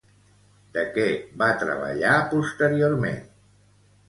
De què va treballar posteriorment?